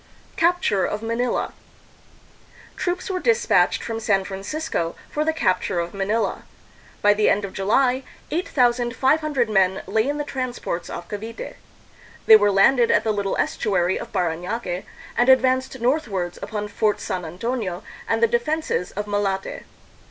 Capture of Manila. Troops were dispatched from San Francisco for the capture of Manila. By the end of July, 8,500 men lay in the transports off Cavite. They were landed at the little estuary of Paranaque, and ad vanced northwards upon Fort San Antonio and the de fenses of Malate.